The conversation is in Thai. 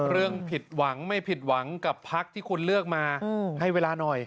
เรื่องผิดหวังไม่ผิดหวังกับพักที่คุณเลือกมาให้เวลาหน่อย